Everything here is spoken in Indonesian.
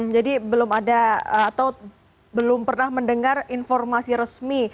jadi belum ada atau belum pernah mendengar informasi resmi